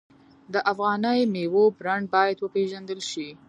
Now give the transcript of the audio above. د افغاني میوو برنډ باید وپیژندل شي.